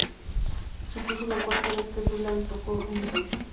Supuso la cuarta vez que Dylan tocó en el país.